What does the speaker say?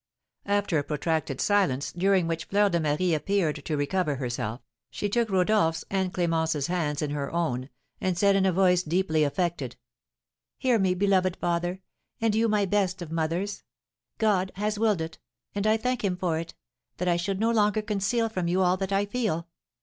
After a protracted silence, during which Fleur de Marie appeared to recover herself, she took Rodolph's and Clémence's hands in her own, and said in a voice deeply affected, "Hear me, beloved father, and you my best of mothers. God has willed it, and I thank him for it, that I should no longer conceal from you all that I feel.